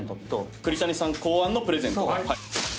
栗谷さん考案のプレゼント。